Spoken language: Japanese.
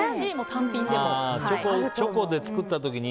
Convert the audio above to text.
チョコで作った時に。